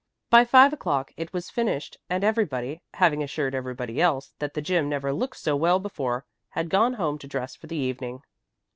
By five o'clock it was finished and everybody, having assured everybody else that the gym never looked so well before, had gone home to dress for the evening.